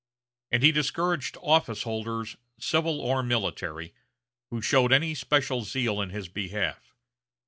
And he discouraged office holders, civil or military, who showed any special zeal in his behalf.